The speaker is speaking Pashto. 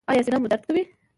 ایا سینه مو درد کوي؟